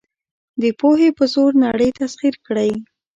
د پوهې په زور نړۍ تسخیر کړئ.